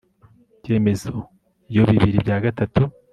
ibyemezo iyo bibiri bya gatatu